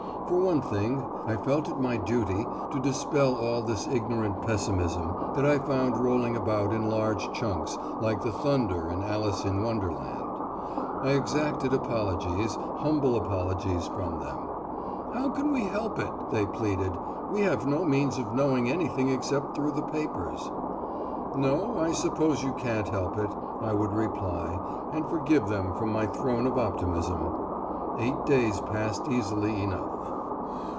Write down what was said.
For one thing, I felt it my duty to dispel all this ignorant pessimism that I found rolling about in large chunks, like the thunder in Alice in Wonderland. I exacted apologies, humble apologies from them. "How can we help it?" they pleaded. "We have no means of knowing anything except through the papers." "No, I suppose you can't help it," I would reply, and forgive them from my throne of optimism. Eight days passed easily enough.